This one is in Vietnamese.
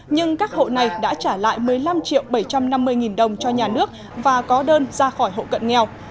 nhưng các hộ này đã trả lại một mươi năm triệu bảy trăm năm mươi nghìn đồng cho nhà nước và có đơn ra khỏi hộ cận nghèo